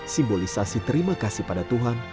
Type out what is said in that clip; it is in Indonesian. simbolisasi terima kasih pada tuhan